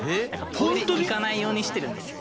トイレ行かないようにしてるんですよ。